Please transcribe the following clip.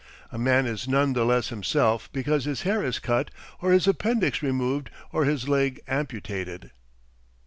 A man is none the less himself because his hair is cut or his appendix removed or his leg amputated.